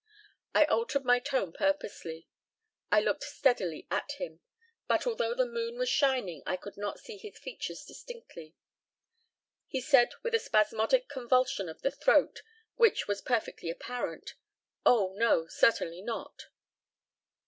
I altered my tone purposely; I looked steadily at him, but, although the moon was shining, I could not see his features distinctly. He said, with a spasmodic convulsion of the throat, which was perfectly apparent, "Oh no, certainly not."